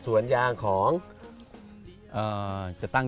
ดูแลกับทางครอบครัวอยู่แล้ว